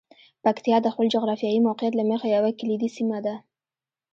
پکتیا د خپل جغرافیايي موقعیت له مخې یوه کلیدي سیمه ده.